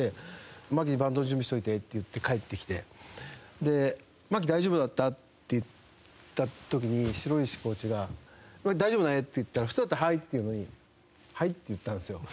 「マキバントの準備しておいて」って言って帰ってきて「マキ大丈夫だった？」って言った時に城石コーチが「大丈夫だね？」って言ったら普通だったら「はい！」って言うのに「はい」って言ったんですよ。